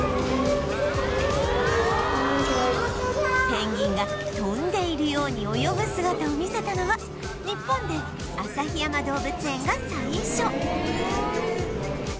ペンギンが飛んでいるように泳ぐ姿を見せたのは日本で旭山動物園が最初